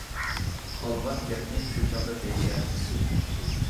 قالغان گەپنى شۇ چاغدا دېيىشەرمىز.